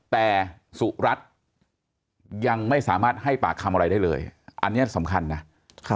แต่สุรัตน์ยังไม่สามารถให้ปากคำอะไรได้เลยอันนี้สำคัญนะ